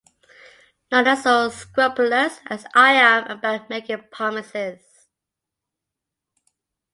None are so scrupulous as I am about making promises.